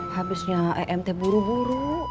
habisnya emt buru buru